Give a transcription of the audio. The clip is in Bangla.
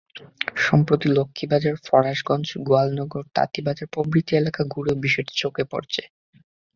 সম্প্রতি লক্ষ্মীবাজার, ফরাশগঞ্জ, গোয়ালনগর, তাঁতীবাজার প্রভৃতি এলাকা ঘুরেও বিষয়টি চোখে পড়েছে।